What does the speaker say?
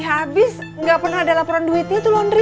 ya abis ga pernah ada laporan duitnya tuh londri